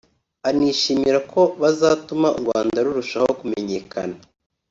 anishimira ko bazatuma u Rwanda rurushaho kumenyekana